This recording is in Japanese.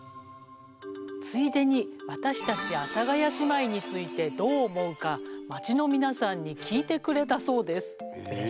ついでに私たち阿佐ヶ谷姉妹についてどう思うか街の皆さんに聞いてくれたそうです。